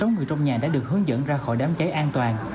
sáu người trong nhà đã được hướng dẫn ra khỏi đám cháy an toàn